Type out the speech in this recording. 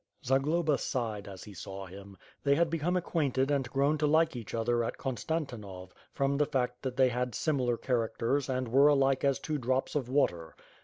Zagloba sighed as he saw him. They had 458 ^iTH FIRE AND SWORD. become acquainted and grown to like each other at Konstanti nov, from the fact that they had similar characters and were alike aa two drops of water.